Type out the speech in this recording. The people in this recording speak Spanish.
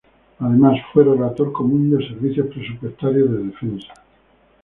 Además fue Relator común de servicios presupuestarios de Defensa.